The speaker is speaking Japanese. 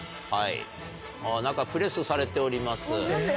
何かプレスされております。